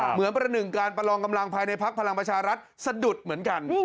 ประหนึ่งการประลองกำลังภายในพักพลังประชารัฐสะดุดเหมือนกัน